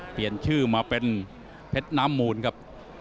เปลี่ยนชื่อมาเป็นเพชรน้ำมูลครับ